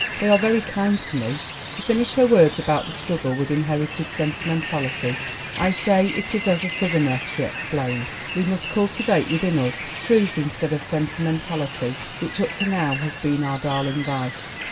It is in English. They are very kind to me." To finish her words about the struggle with inherited sentimentality: "I say it as a Southerner," she explained. "We must cultivate within us truth instead of sentimentality, which up to now has been our darling vice."